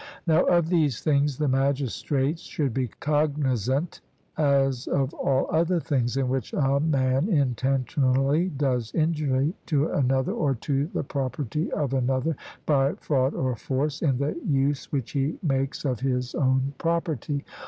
Now of these things the magistrates should be cognizant, as of all other things in which a man intentionally does injury to another or to the property of another, by fraud or force, in the use which he makes of his own property.